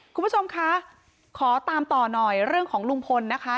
คุณผู้ชมคะขอตามต่อหน่อยเรื่องของลุงพลนะคะ